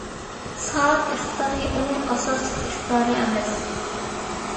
سائەت ئىقتىدارى ئۇنىڭ ئاساسلىق ئىقتىدارى ئەمەس.